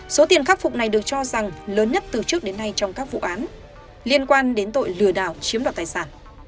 số tiền khắc phục này được cho rằng lớn nhất từ trước đến nay trong các vụ án liên quan đến tội lừa đảo chiếm đoạt tài sản